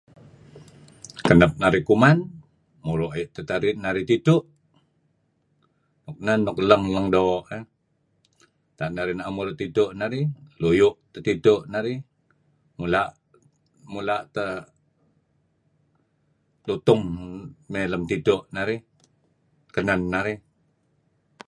Kenep narih kuman, muru' ayu' teh narih tidtu'. Neh nuk leng-leng doo' eh. Tak narih na'em muru' tidtu' narih luyu' teh tidtu' narih. Mula'. mula' teh lutung mey lem tidtu'narih, kenen narih.